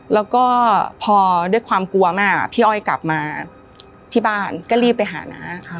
แล้วก็พอด้วยความกลัวแม่พี่อ้อยกลับมาที่บ้านก็รีบไปหาน้า